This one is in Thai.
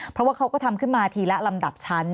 เพราะว่าเขาก็ทำขึ้นมาทีละลำดับชั้น